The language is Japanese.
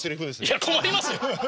いや困りますよ。